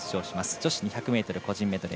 女子２００ｍ個人メドレー